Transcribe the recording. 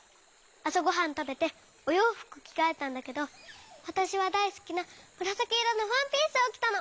あさごはんたべておようふくきがえたんだけどわたしはだいすきなむらさきいろのワンピースをきたの。